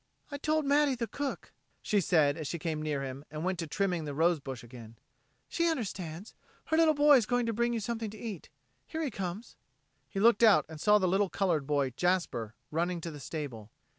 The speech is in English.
"I told Mattie, the cook," she said as she came near him and went to trimming the rose bush again. "She understands. Her little boy is going to bring you something to eat. Here he comes." He looked out and saw the little colored boy, Jasper, running to the stable.